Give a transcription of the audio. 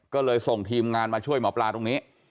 ก็เลยส่งทีมงานมาช่วยหมอปลาตรงนี้